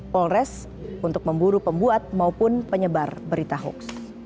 polres untuk memburu pembuat maupun penyebar berita hoax